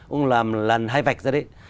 ông làm làn hai vạch ra đấy